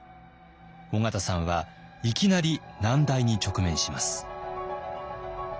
緒方さんはいきなり難題に直面します。